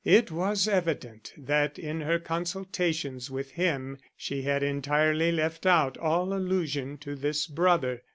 It was evident that in her consultations with him she had entirely left out all allusion to this brother.